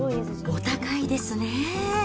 お高いですね。